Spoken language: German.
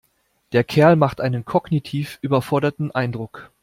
Der Kerl macht einen kognitiv überforderten Eindruck.